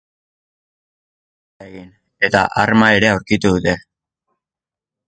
Atxilotuak ez die aurka egin, eta arma ere aurkitu dute.